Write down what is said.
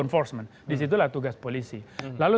enforcement disitulah tugas polisi lalu